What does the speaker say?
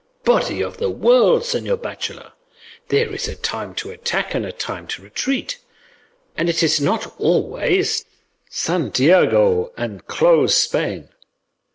Body of the world, señor bachelor! there is a time to attack and a time to retreat, and it is not to be always 'Santiago, and close Spain!